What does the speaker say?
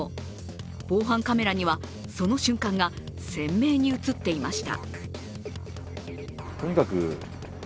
防犯カメラには、その瞬間が鮮明に映っていました。